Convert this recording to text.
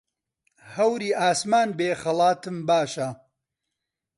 هەوری ئاسمان بێ خەڵاتم باشە